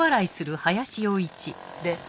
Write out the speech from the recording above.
で